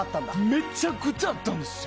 めちゃくちゃあったんです。